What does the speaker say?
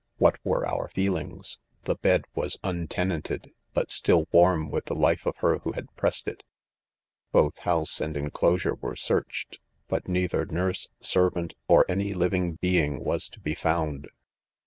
What .'; were. .our, feelings] —■ The bed was untenanted, but still warm with the life of her who had pressed it. Both house and enclosure were searched ; but neither nurse, s&vant, or any living being was to be Found.